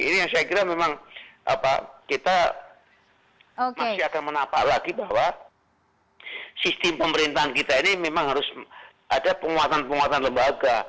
ini yang saya kira memang kita masih akan menapak lagi bahwa sistem pemerintahan kita ini memang harus ada penguatan penguatan lembaga